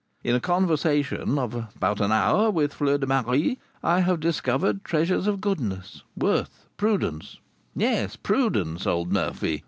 In a conversation of about an hour with Fleur de Marie, I have discovered treasures of goodness, worth, prudence, yes, prudence, old Murphy.